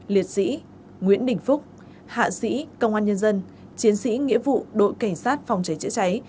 liệt sĩ nguyễn đình phúc hạ sĩ công an nhân dân chiến sĩ nghĩa vụ đội cảnh sát phòng cháy chữa cháy